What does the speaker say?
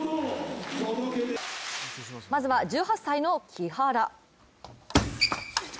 まずは１８歳の木原。